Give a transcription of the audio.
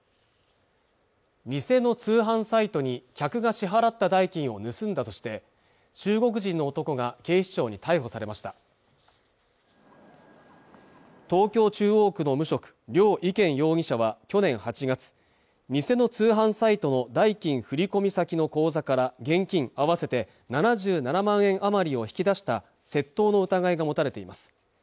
偽の通販サイトに客が支払った代金を盗んだとして中国人の男が警視庁に逮捕されました東京中央区の無職梁偉建容疑者は去年８月偽の通販サイトの代金振り込み先の口座から現金合わせて７７万円余りを引き出した窃盗の疑いが持たれています